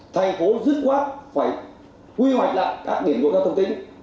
thành phố dứt quát phải quy hoạch lại các điểm của giao thông tính